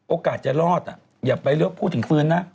โอกาสจะรอดอย่าไปเลือกพูดถึงฟื้นนะ